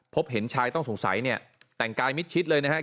พบเห็นชายต้องสงสัยเนี่ยแต่งกายมิดชิดเลยนะครับ